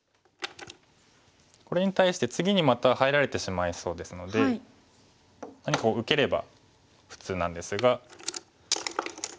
これに対して次にまた入られてしまいそうですので何か受ければ普通なんですが。